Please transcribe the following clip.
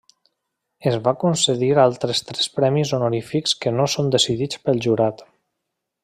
Es van concedir altres tres premis honorífics que no són decidits pel jurat.